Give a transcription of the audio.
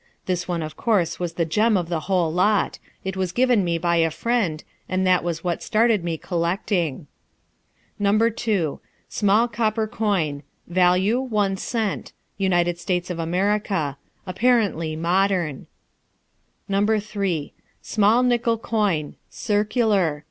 This one of course was the gem of the whole lot; it was given me by a friend, and that was what started me collecting. No. 2. Small copper coin. Value one cent. United States of America. Apparently modern. No. 3. Small nickel coin. Circular.